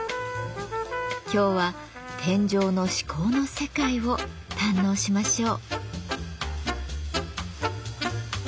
今日は天井の至高の世界を堪能しましょう。